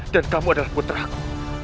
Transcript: dan kamu adalah putraku